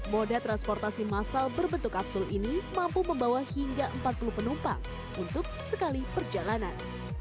moda transportasi masal berbentuk kapsul ini mampu membawa hingga empat puluh penumpang untuk sekali perjalanan